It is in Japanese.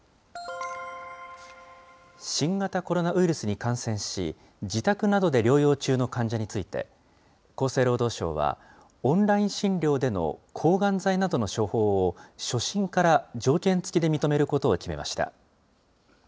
新型コロナウイルスに感染し、自宅などで療養中の患者について、厚生労働省は、オンライン診療での抗がん剤などの処方を、初診から条件付きで認めることを決めました。